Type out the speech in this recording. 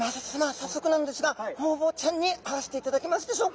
早速なんですがホウボウちゃんに会わせていただけますでしょうか。